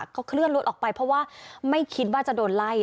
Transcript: เขาเคลื่อนรถออกไปเพราะว่าไม่คิดว่าจะโดนไล่